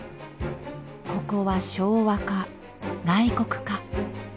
ここは昭和か外国か。